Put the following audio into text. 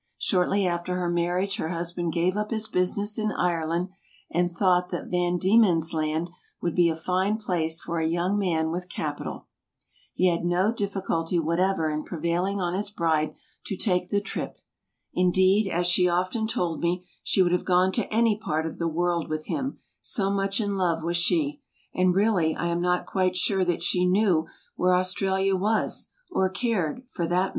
Shortly after her marriage her hus band gave up his business in Ireland and thought that Van Diemen's Land would be a fine place for a young man with capi tal. He had no difficulty whatever in prevailing on his bride to take the trip. Indeed, as she often told me, she would have gone to any part of the world with him, so much in love was she; and really I am not quite sure that she knew where Australia was, or cared, for that matter.